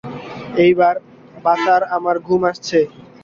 এইবার বাছার আমার ঘুম আসচে।